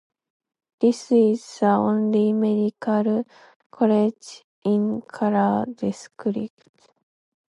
This is the only medical college in Kolar district.